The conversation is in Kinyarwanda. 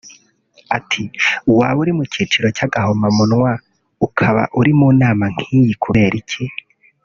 Ati “Waba uri mu cyiciro cy’agahomamunwa ukaba uri mu nama nk’iyi kubera iki